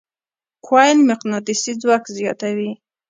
کویل مقناطیسي ځواک زیاتوي.